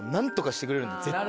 絶対。